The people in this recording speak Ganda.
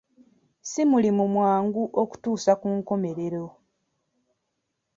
Si mulimu mwangu okutuusa ku nkomerero.